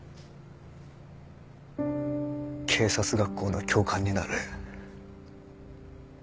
警察学校の教官になれ。